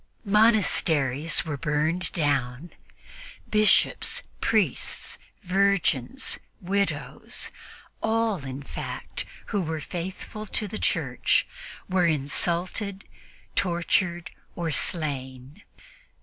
Monasteries were burned down; Bishops, priests, virgins, widows all, in fact, who were faithful to the Church were insulted, tortured or slain.